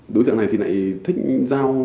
đối tượng này thích giao